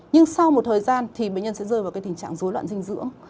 nhưng sau một thời gian thì bệnh nhân sẽ rơi vào cái tình trạng dối loạn dinh dưỡng